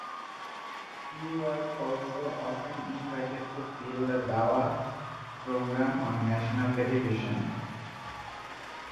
He was also often invited to fill the dawah programme on national television.